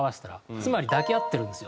つまり抱き合ってるんですよ。